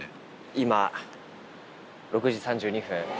今、６時３２分。